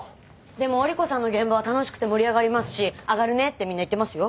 でも織子さんの現場は楽しくて盛り上がりますしアガるねってみんな言ってますよ。